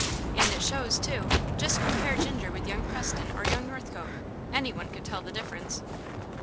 "And it shows, too; just compare Ginger with young Preston or young Northcote. Anyone could tell the difference."